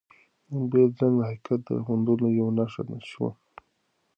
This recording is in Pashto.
د موبایل زنګ د حقیقت د موندلو یوه نښه شوه.